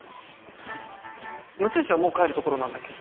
六石はもう帰るところなんだっけ？